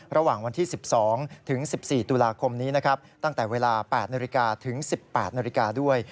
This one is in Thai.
ระหว่างวันที่๑๒๑๔ตุลาคมนี้ตั้งแต่เวลา๘๑๘นด้วย